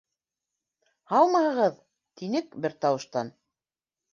— Һаумыһығыҙ, — тинек бер тауыштан.